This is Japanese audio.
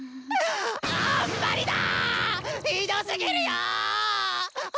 あんまりだぁあ！